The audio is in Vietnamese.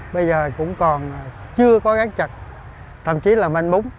bây giờ cũng còn chưa có gắn chặt thậm chí là manh búng